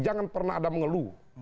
jangan pernah ada mengeluh